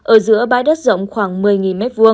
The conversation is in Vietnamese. ở giữa bãi đất rộng khoảng một mươi m hai